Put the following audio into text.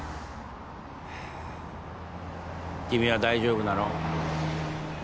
君は大丈夫なの？